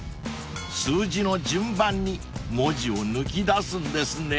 ［数字の順番に文字を抜き出すんですね］